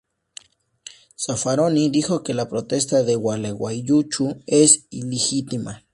Zaffaroni dijo que la protesta de Gualeguaychú es "ilegítima".